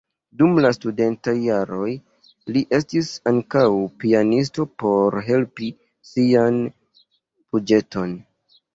Dum la studentaj jaroj li estis ankaŭ pianisto por helpi sian buĝeton.